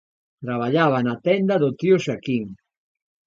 Traballaba na tenda do tío Xaquín.